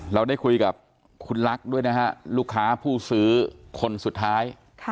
เราได้คุยกับคุณลักษณ์ด้วยนะฮะลูกค้าผู้ซื้อคนสุดท้าย